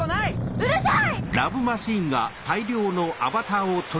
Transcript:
うるさい！